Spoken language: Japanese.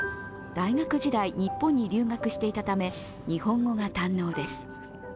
大学時代、日本に留学していたため日本語が堪能です。